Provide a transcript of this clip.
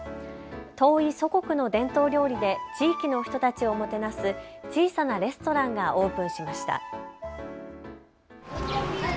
遠い祖国の伝統料理で地域の人たちをもてなす小さなレストランがオープンしました。